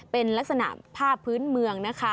เป็นลักษณะผ้าพื้นเมืองนะคะ